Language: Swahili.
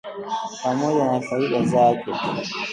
pamoja na faida zake